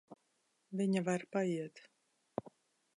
Viņa var paiet.